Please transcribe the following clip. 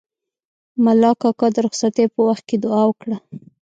ملا کاکا د رخصتۍ په وخت کې دوعا وکړه.